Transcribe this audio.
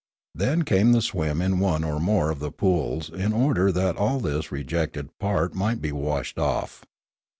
Then came the swim in one or more of the pools, in order that all this rejected part might be washed off.